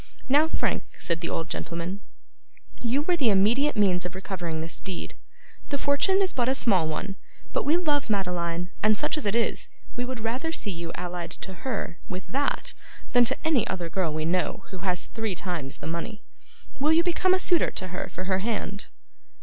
'Now, Frank,' said the old gentleman, 'you were the immediate means of recovering this deed. The fortune is but a small one; but we love Madeline; and such as it is, we would rather see you allied to her with that, than to any other girl we know who has three times the money. Will you become a suitor to her for her hand?